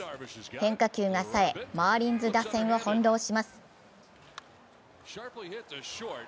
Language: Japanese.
変化球が冴えマーリンズ打線をほんろうします。